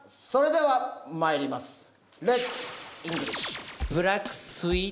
それではまいります。